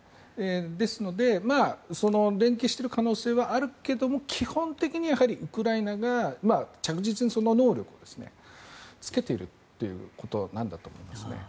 ですので、連携している可能性はあるけれども基本的にはやはりウクライナが着実にその能力をつけているということなんだと思いますね。